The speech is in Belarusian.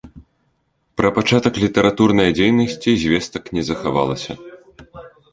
Пра пачатак літаратурнай дзейнасці звестак не захавалася.